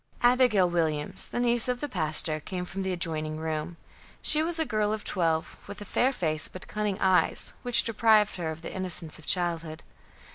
Abigail Williams, the niece of the pastor, came from an adjoining room. She was a girl of twelve, with a fair face, but cunning eyes, which deprived her of the innocence of childhood.